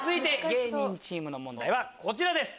芸人チームの問題はこちらです。